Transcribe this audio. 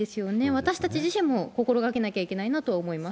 私たち自身も心がけなきゃいけないなと思います。